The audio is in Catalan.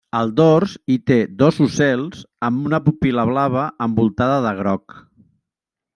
Al dors, hi té dos ocels amb una pupil·la blava envoltada de groc.